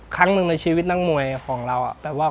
ครั้งหนึ่งในชีวิตนักมวยของเรา